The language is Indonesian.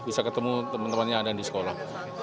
bisa ketemu teman temannya ada di sekolah